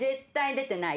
出てない！